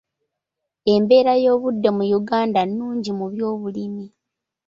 Embeera y'obudde mu Uganda nnungi mu byobulimi.